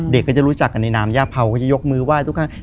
เด็กเขาจะรู้จักกันในน้ำญ้าเภาเขาจะยกมือไหว้ทุกข้าง